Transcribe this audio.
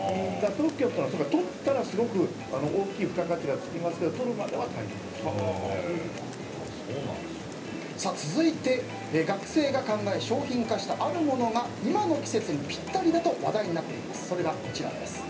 特許というのは取ったらすごく大きい付加価値が付きますけど続いて、学生が考え商品化したあるものが今の季節にピッタリだと話題になっています。